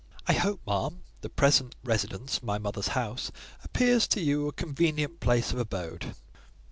"I hope, ma'am, the present residence, my mother's house, appears to you a convenient place of abode?"